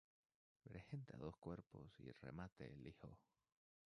Presenta dos cuerpos y remate liso.